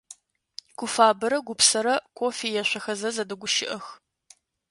Гуфабэрэ Гупсэрэ кофе ешъохэзэ зэдэгущыӀэх.